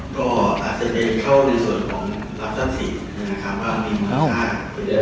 ก็อาจจะได้เข้าในส่วนของรักษัตริย์สิทธิ์นะครับ